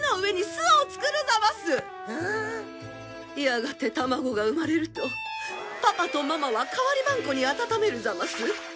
やがて卵が産まれるとパパとママは代わりばんこに温めるざます。